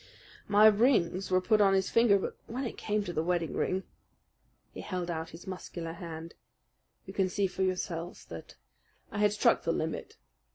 "My rings were put on his finger; but when it came to the wedding ring," he held out his muscular hand, "you can see for yourselves that I had struck the limit.